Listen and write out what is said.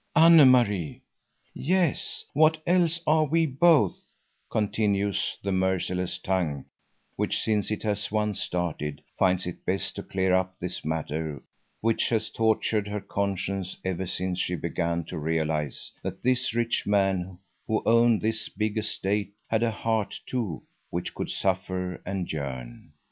"Anne Marie!" "Yes, what else are we both," continues the merciless tongue, which, since it has once started, finds it best to clear up this matter which has tortured her conscience ever since she has begun to realize that this rich man who owned this big estate had a heart too which could suffer and yearn.